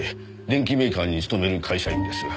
電機メーカーに勤める会社員です。